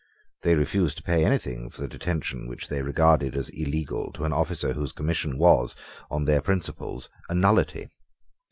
They refused to pay anything for the detention which they regarded as illegal to an officer whose commission was, on their principles, a nullity.